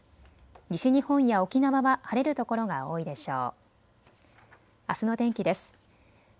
西日本や沖縄は晴れるところが多いでしょう。